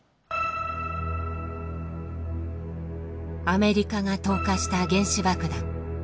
アメリカが投下した原子爆弾。